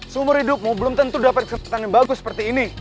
seumur hidupmu belum tentu dapat kesempatan yang bagus seperti ini